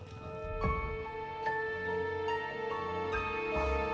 jangan lupa berikan uang untuk para pemain yang sudah berhasil menangkap mereka